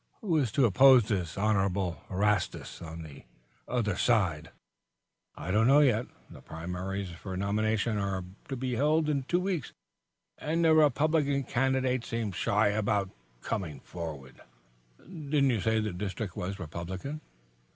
Who is to oppose the Honorable Erastus on the on our side?" "I don't know yet. The primaries for the nomination are not to be held for two weeks, and the Republican candidates seem shy about coming forward." "Didn't you say the district was Republican?"